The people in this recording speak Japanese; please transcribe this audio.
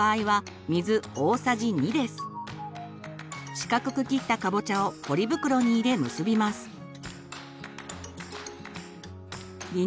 四角く切ったかぼちゃをポリ袋に入れ結びます。